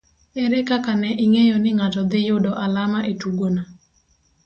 Ere kaka ne ing'eyo ni ng'ato dhi yudo alama e tugono